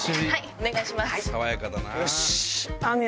お願いします。